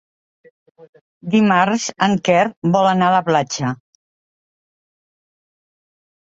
Dimarts en Quer vol anar a la platja.